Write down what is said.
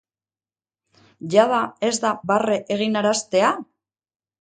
Jada ez da barre eginaraztea?